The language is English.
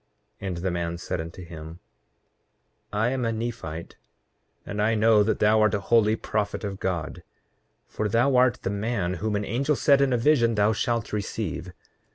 8:20 And the man said unto him: I am a Nephite, and I know that thou art a holy prophet of God, for thou art the man whom an angel said in a vision: Thou shalt receive.